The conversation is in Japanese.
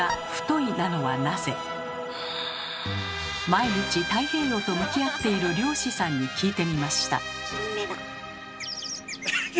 毎日太平洋と向き合っている漁師さんに聞いてみました。